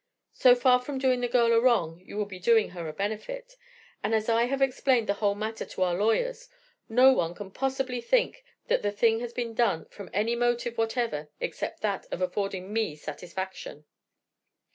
So far from doing the girl a wrong, you will be doing her a benefit; and as I have explained the whole matter to our lawyers, no one can possibly think that the thing has been done from any motive whatever except that of affording me satisfaction."